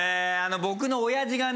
僕の親父がね